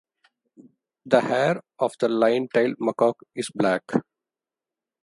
The hair of the lion-tailed macaque is black.